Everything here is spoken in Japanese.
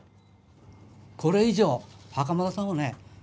これ以上袴田さんをね